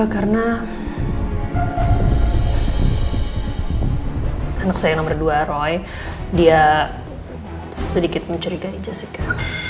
karena anak saya nomor dua roy dia sedikit mencurigai jessica